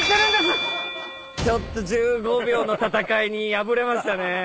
ちょっと１５秒の戦いに敗れましたね。